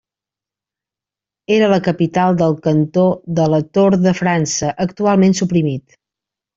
Era la capital del cantó de la Tor de França, actualment suprimit.